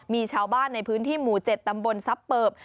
มีชาวบ้านในพื้นที่หมู่เจ็ดตำบลซับเปิบ